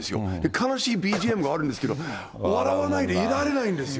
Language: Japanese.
悲しいＢＧＭがあるんですけど、笑わないでいられないんですよ。